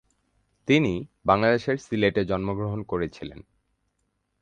তিনি বাংলাদেশের সিলেটে জন্মগ্রহণ করেছিলেন।